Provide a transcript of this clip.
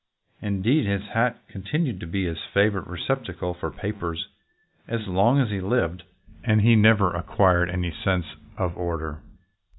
Indeed, his hat continued to be his favorite receptacle for papers as long as he lived, and he never acquired any sense of order.